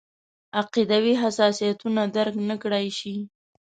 عقیدوي حساسیتونه درک نکړای شي.